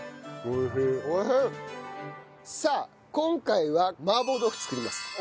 さあ今回は麻婆豆腐作ります。